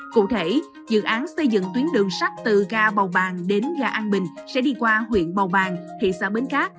cụ thể dự án xây dựng tuyến đường sắt từ ga bào bàng đến ga an bình sẽ đi qua huyện bào bàng thị xã bến cát